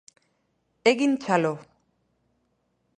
Egin txalo.